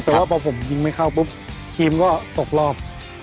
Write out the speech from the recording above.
แต่ว่าพอผมยิงไม่เข้าปุ๊บทีมก็ตกรอบ